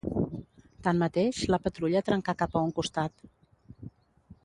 Tanmateix, la patrulla trencà cap a un costat